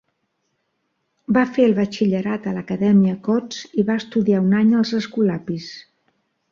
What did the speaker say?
Va fer el Batxillerat a l'acadèmia Cots i va estudiar un any als Escolapis.